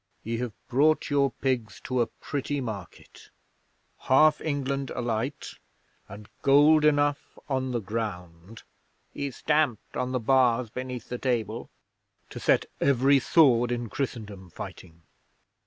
Ye have brought your pigs to a pretty market! Half England alight, and gold enough on the ground" he stamped on the bars beneath the table "to set every sword in Christendom fighting."